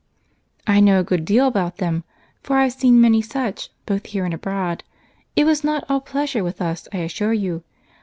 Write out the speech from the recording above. "I know a good deal about them, for I've seen many such, both here and abroad. It was not all pleasure with us, I assure you.